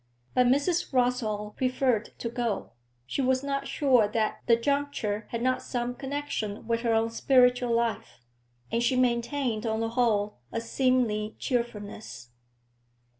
But Mrs. Rossall preferred to go; she was not sure that the juncture had not some connection with her own spiritual life. And she maintained, on the whole, a seemly cheerfulness.